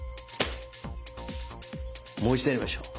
もう一度やりましょう。